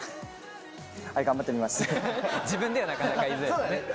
自分ではなかなか言いづらいですね。